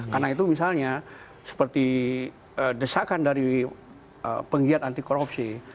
karena itu misalnya seperti desakan dari penggiat anti korupsi